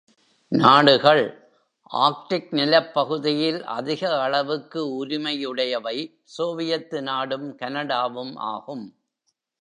நாடுகள் ஆர்க்டிக் நிலப் பகுதியில் அதிக அளவுக்கு உரிமை உடையவை சோவியத்து நாடும் கனடாவும் ஆகும்.